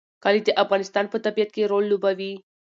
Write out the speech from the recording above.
کلي د افغانستان په طبیعت کې رول لوبوي.